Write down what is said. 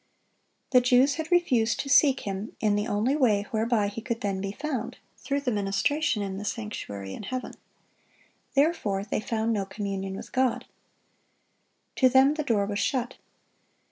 The Jews had refused to seek Him in the only way whereby He could then be found, through the ministration in the sanctuary in heaven. Therefore they found no communion with God. To them the door was shut.